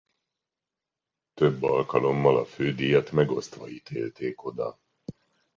Több alkalommal a fődíjat megosztva ítélték oda.